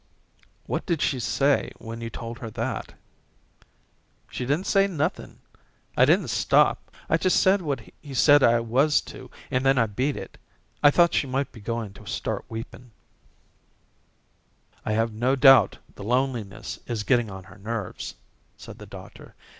"What did she say when you told her that?" "She didn't say nothing. I didn't stop. I just said what he said I was to and then I beat it. I thought she might be going to start weepin'." "I have no doubt the loneliness is getting on her nerves," said the doctor.